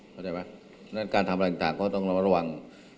เข้าใจไหมแล้วก็การทำอะไรต่างก็ต้องระวัง